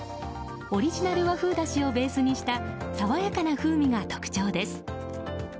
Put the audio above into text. オリジナル和風だしをベースにした爽やかな風味が特徴です。